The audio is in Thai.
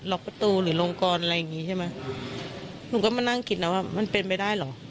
็อกประตูหรือลงกรอะไรอย่างงี้ใช่ไหมหนูก็มานั่งคิดนะว่ามันเป็นไปได้เหรอ